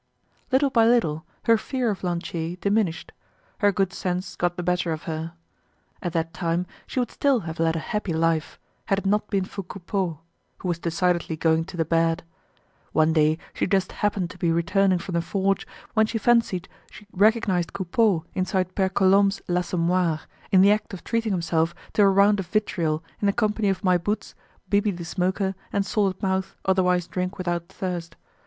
Little by little, her fear of Lantier diminished; her good sense got the better of her. At that time she would still have led a happy life, had it not been for Coupeau, who was decidedly going to the bad. One day she just happened to be returning from the forge, when she fancied she recognized Coupeau inside Pere Colombe's l'Assommoir, in the act of treating himself to a round of vitriol in the company of My Boots, Bibi the Smoker, and Salted Mouth, otherwise Drink without Thirst.